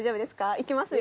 いきますよ。